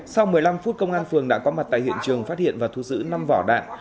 sau một mươi năm phút công an phường đã có mặt tại hiện trường phát hiện và thu giữ năm vỏ đạn